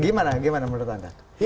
gimana gimana menurut anda